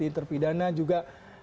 di terpidana juga